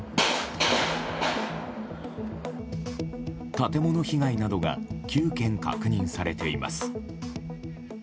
建物被害などが９件確認されています。